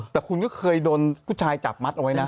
แต่คุณก็เคยโดนผู้ชายจับมัดเอาไว้นะ